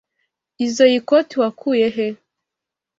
Izoi koti wakuye he?